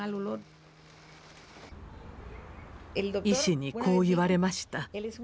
医師にこう言われました。